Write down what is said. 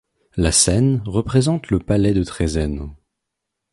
La scène représente le palais de Trézène.